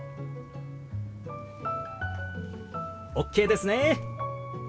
ＯＫですね！